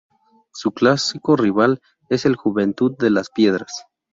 Su clásico rival es el Juventud de las Piedras.